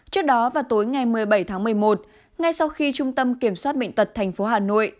trước đó vào tối ngày một mươi bảy tháng một mươi một ngay sau khi trung tâm kiểm soát bệnh tật tp hà nội